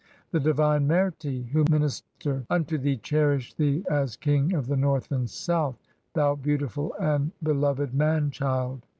(3) The divine Merti l who minister unto thee cherish thee "as King of the North and South, thou beautiful and beloved "Man child.